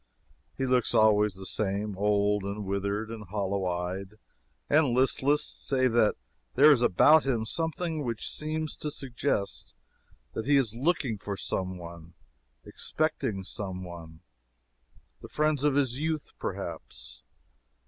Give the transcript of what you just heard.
He looks always the same old, and withered, and hollow eyed, and listless, save that there is about him something which seems to suggest that he is looking for some one, expecting some one the friends of his youth, perhaps.